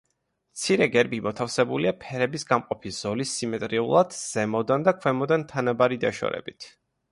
მცირე გერბი მოთავსებულია ფერების გამყოფი ზოლის სიმეტრიულად, ზემოდან და ქვემოდან თანაბარი დაშორებით.